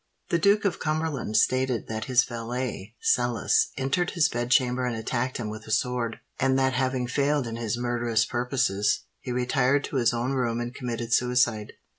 The Duke of Cumberland stated that his valet, Sellis, entered his bed chamber and attacked him with a sword; and that having failed in his murderous purposes, he retired to his own room and committed suicide.